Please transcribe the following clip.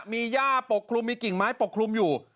มีย่าปกคลุมมีกิ่งไม้ปกคลุมอยู่